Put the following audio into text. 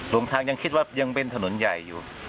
ลงทางยังคิดว่ายังเป็นถนนใหญ่อยู่